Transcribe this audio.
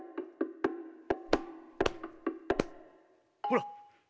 ほら。